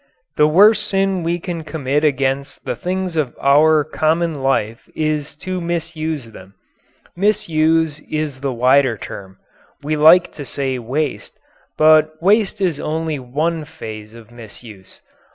The worst sin we can commit against the things of our common life is to misuse them. "Misuse" is the wider term. We like to say "waste," but waste is only one phase of misuse.